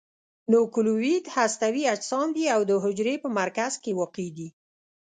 نوکلوئید هستوي اجسام دي او د حجرې په مرکز کې واقع دي.